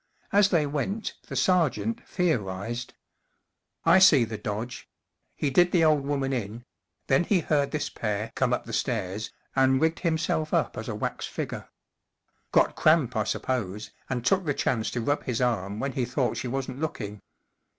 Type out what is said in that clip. As they went the sergeant thedrized :— 44 I see the dodge. He did the old woman in ; then he heard this pair come up the stairs, and rigged himself up as a wax figure. Got cramp, I suppose, and took the chance to rub his arm when he thought she wasn't looking.